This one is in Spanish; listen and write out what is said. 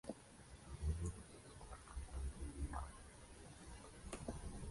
Otras vías importantes son las carreras Quinta, Cuarta y la Circunvalar.